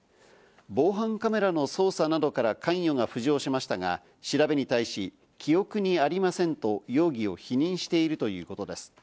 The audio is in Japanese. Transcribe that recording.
防犯カメラの捜査などから関与が浮上しましたが、調べに対し、記憶にありませんと容疑を否認しているということです。